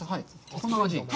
こんな感じ？